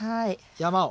山を。